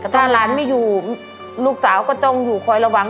ถ้าหลานไม่อยู่ลูกสาวก็ต้องอยู่คอยระวัง